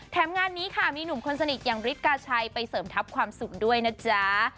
งานนี้ค่ะมีหนุ่มคนสนิทอย่างบริกาชัยไปเสริมทัพความสุขด้วยนะจ๊ะ